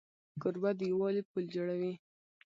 کوربه د یووالي پل جوړوي.